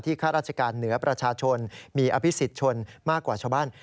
ข้าราชการเหนือประชาชนมีอภิษฎชนมากกว่าชาวบ้าน